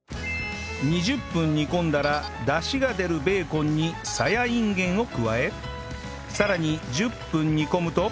２０分煮込んだらダシが出るベーコンにさやいんげんを加えさらに１０分煮込むと